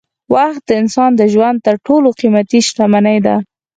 وخت د انسان د ژوند تر ټولو قېمتي شتمني ده.